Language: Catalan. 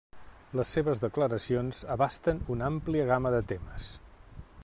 Les seves declaracions abasten una àmplia gamma de temes.